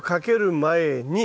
前に。